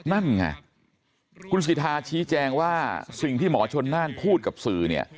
นั่นไงคุณสิทธาชี้แจงว่าสิ่งที่หมอชนน่านพูดกับสื่อเนี่ย